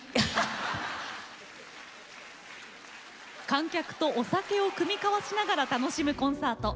観客とお酒を酌み交わしながら楽しむコンサート。